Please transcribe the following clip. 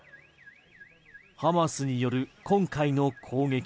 ハマスによる今回の攻撃。